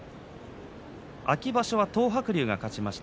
秋場所は東白龍が勝ちました。